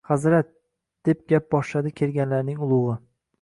Hazrat, deb gap boshlabdi kelganlarning ulugʻi